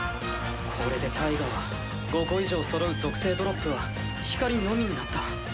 これでタイガは５個以上そろう属性ドロップは光のみになった。